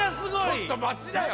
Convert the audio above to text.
ちょっと待ちなよ